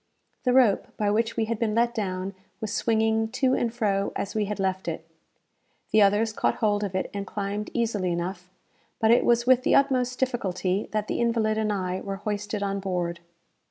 The rope by which we had been let down, was swinging to and fro as we had left it. The others caught hold of it and climbed easily enough, but it was with the utmost difficulty that the invalid and I were hoisted on board.